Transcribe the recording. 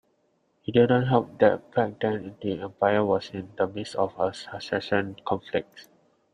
It didn't help that back then the empire was in the midst of a succession conflict.